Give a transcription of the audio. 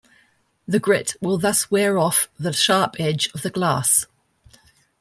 The grit will thus wear off the sharp edge of the glass.